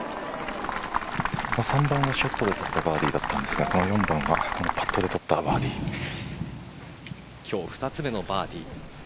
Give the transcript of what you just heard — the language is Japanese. ３番のショットを取ったバーディーだったんですが４番はパットで取ったバーディー今日二つ目のバーディー。